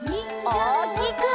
おおきく！